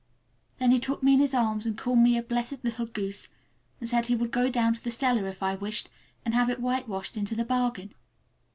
Then he took me in his arms and called me a blessed little goose, and said he would go down cellar if I wished, and have it whitewashed into the bargain.